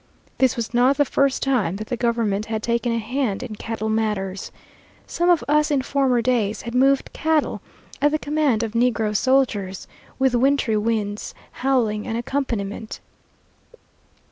This was not the first time that the government had taken a hand in cattle matters. Some of us in former days had moved cattle at the command of negro soldiers, with wintry winds howling an accompaniment.